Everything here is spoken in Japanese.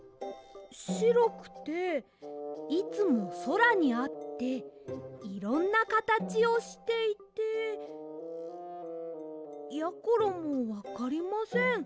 しろくていつもそらにあっていろんなかたちをしていてやころもわかりません。